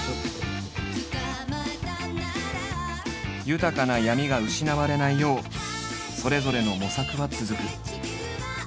豊かな闇が失われないようそれぞれの模索は続く。